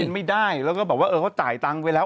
มันไม่ได้แล้วก็แบบว่าเออเขาจ่ายตังค์ไปแล้ว